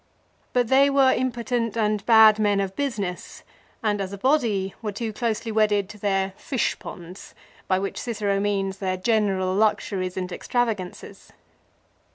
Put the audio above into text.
But they were impotent and bad men of business, and as a body, were too closely wedded to their "fishponds," by which Cicero means their general luxuries and extravagances.